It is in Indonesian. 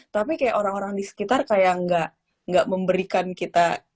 tapi kayak orang orang di sekitar kayak gak memberikan kita